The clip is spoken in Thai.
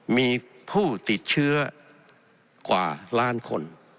มีผู้ติดเชื้อกว่าล้านคน